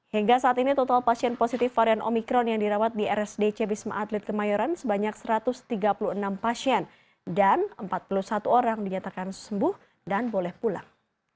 hingga saat ini total pasien positif varian omikron yang dirawat di rsdc wisma atlet kemayoran sebanyak satu ratus tiga puluh enam pasien dan empat puluh satu orang dinyatakan sembuh dan boleh pulang